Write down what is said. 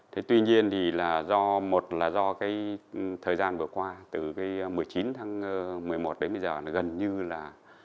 thế tuy nhiên thì là do một là do cái thời gian vừa qua từ cái một mươi chín tháng một mươi một đến bây giờ là gần như là